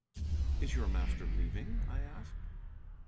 "Is your master leaving?" I asked.